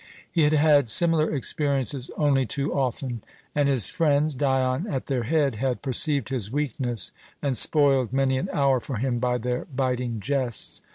He had had similar experiences only too often, and his friends, Dion at their head, had perceived his weakness and spoiled many an hour for him by their biting jests.